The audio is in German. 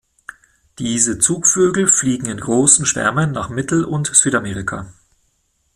Diese Zugvögel fliegen in großen Schwärmen nach Mittel- und Südamerika.